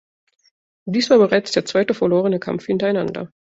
Dies war bereits der zweite verlorene Kampf hintereinander.